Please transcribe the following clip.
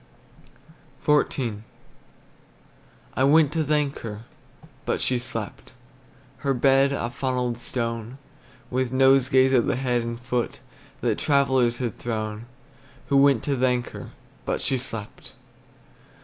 XIV. I went to thank her, But she slept; Her bed a funnelled stone, With nosegays at the head and foot, That travellers had thrown, Who went to thank her; But she slept.